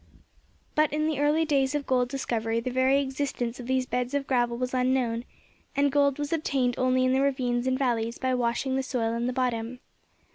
But in the early days of gold discovery the very existence of these beds of gravel was unknown, and gold was obtained only in the ravines and valleys by washing the soil in the bottom.